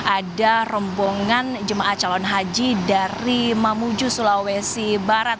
ada rombongan jemaah calon haji dari mamuju sulawesi barat